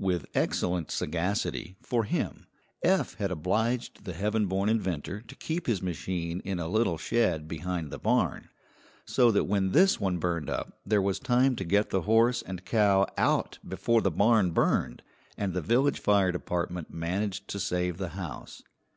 With excellent sagacity, for him, Eph had obliged the heaven born inventor to keep his machine in a little shed behind the barn, so that when this one burned up there was time to get the horse and cow out before the barn burned, and the village fire department managed to save the house.